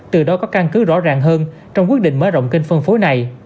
từ đó có căn cứ rõ ràng hơn trong quyết định mở rộng kênh phân phối này